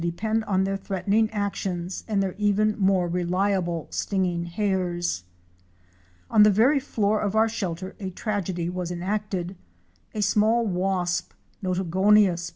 depend on their threatening actions and their even more reliable stinging hairs. On the very floor of our shelter a tragedy was enacted. A small wasp (Notogonia sp.)